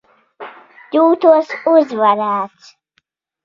Jūtos uzvarēts.